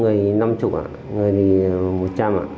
người thì ba mươi người thì năm mươi người thì một trăm linh